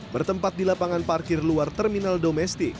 bertempat di lapangan parkir luar terminal domestik